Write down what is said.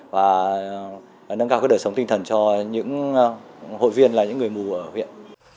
và nâng cao đời sống tinh thần cho những hội viên là những người mù ở huyện